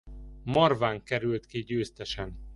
Marván került ki győztesen.